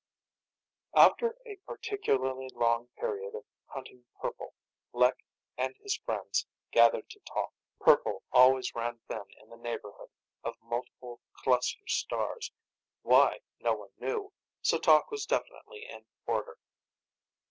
After a particularly long period of hunting purple, Lek and his friends gathered to talk. Purple always ran thin in the neighborhood of multiple cluster stars why, no one knew so talk was definitely in order.